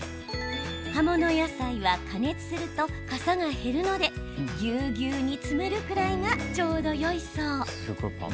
葉物野菜は加熱するとかさが減るのでぎゅうぎゅうに詰めるくらいがちょうどよいそう。